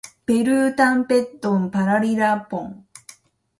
ペルータンペットンパラリラポン